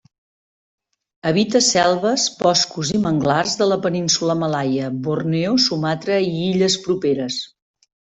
Habita selves, boscos i manglars de la Península Malaia, Borneo, Sumatra i illes properes.